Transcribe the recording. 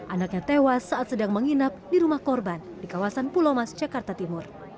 anaknya tewas saat sedang menginap di rumah korban di kawasan pulau mas jakarta timur